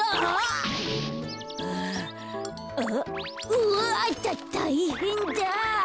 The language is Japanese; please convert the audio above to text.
うわたいへんだ！